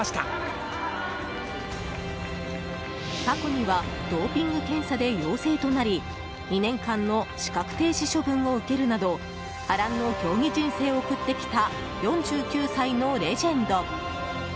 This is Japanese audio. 過去にはドーピング検査で陽性となり２年間の資格停止処分を受けるなど波乱の競技人生を送ってきた４９歳のレジェンド。